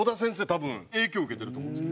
多分影響受けてると思うんです。